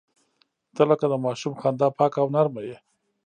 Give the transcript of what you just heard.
• ته لکه د ماشوم خندا پاکه او نرمه یې.